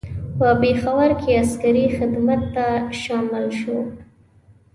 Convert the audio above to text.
په پېښور کې عسکري خدمت ته شامل شو.